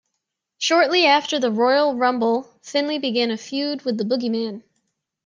Shortly after the Royal Rumble, Finlay began a feud with The Boogeyman.